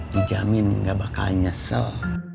dijamin gak bakal nyesel